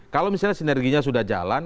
kalau misalnya sinerginya sudah jalan